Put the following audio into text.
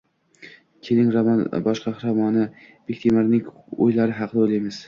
Keling, roman bosh qahramoni Bektemirning o`ylari haqida o`qiymiz